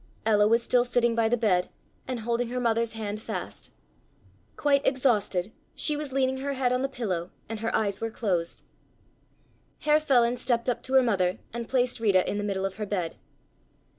Ella was still sitting by the bed and holding her mother's hand fast. Quite exhausted, she was leaning her head on the pillow and her eyes were closed. Herr Feland stepped up to her mother and placed Rita in the middle of her bed.